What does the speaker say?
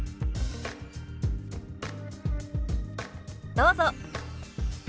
どうぞ。